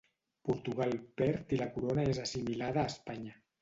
Portugal perd i la corona és assimilada a Espanya.